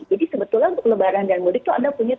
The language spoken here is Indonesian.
jadi sebetulnya untuk lebaran dan mudik itu anda punya tujuh